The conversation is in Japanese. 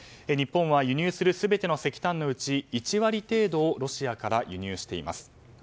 日本は輸入する全ての石炭のうち１割程度をロシアから輸入しています。